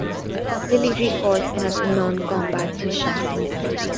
Lilly recalled another non-combat mission.